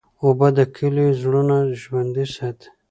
اوبه د کلیو زړونه ژوندی ساتي.